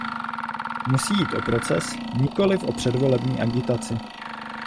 Musí jít o proces, nikoliv o předvolební agitaci.